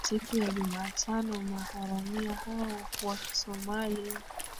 siku ya jumatano maharamia hao wa kisomali